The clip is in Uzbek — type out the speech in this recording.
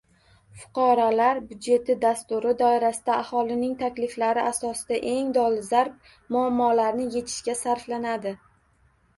“Fuqarolar budjeti” dasturi doirasida aholining takliflari asosida eng dolzarb muammolarni yechishga sarflanadi.